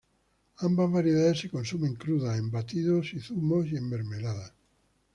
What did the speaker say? Ambas variedades se consumen crudas, en batidos y zumos, y en mermeladas.